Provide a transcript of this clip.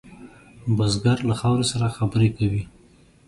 بزګر له خاورې سره خبرې کوي